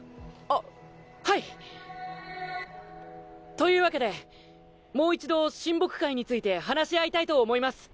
あはい！というわけでもう一度親睦会について話し合いたいと思います。